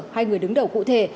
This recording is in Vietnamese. hay người đứng đầu cụ thể